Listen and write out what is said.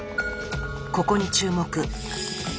ここに注目。